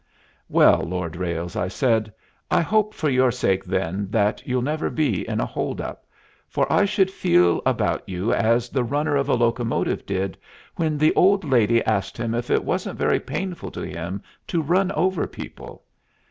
"Well, Lord Ralles," I said, "I hope for your sake, then, that you'll never be in a hold up, for I should feel about you as the runner of a locomotive did when the old lady asked him if it wasn't very painful to him to run over people.